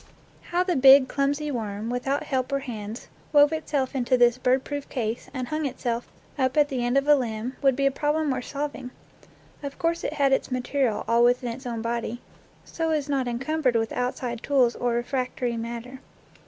How the big, clumsy worm, without help or hands, wove itself into this bird proof case, and hung itself up at the end of a limb, would be a problem worth solving. Of course it had its material all within its own body, so is not encumbered with outside tools or refractory matter.